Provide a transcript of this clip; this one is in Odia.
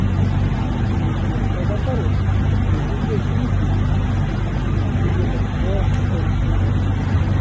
ଇମିତି ଆଖପାଖରେ ଦେବି ଯେ ଯିମିତି ଡାକିଦେଲେ 'ଓ' କରୁଥିବ ।